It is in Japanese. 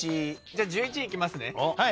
じゃあ１１いきますね。